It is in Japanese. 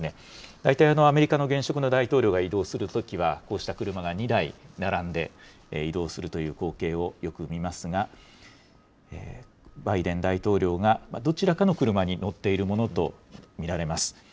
大体、アメリカの現職の大統領が移動するときは、こうした車が２台並んで移動するという光景をよく見ますが、バイデン大統領がどちらかの車に乗っているものと見られます。